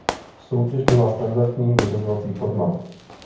Soutěž měla standardní vyřazovací formát.